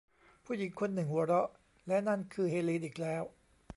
ผู้หญิงคนหนึ่งหัวเราะ และนั่นคือเฮลีนอีกแล้ว